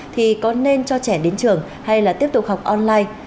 thì có nên cho trẻ đến trường hay là tiếp tục học online